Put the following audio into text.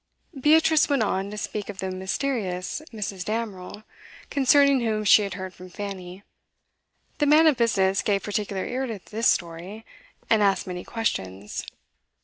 Beatrice went on to speak of the mysterious Mrs. Damerel, concerning whom she had heard from Fanny. The man of business gave particular ear to this story, and asked many questions.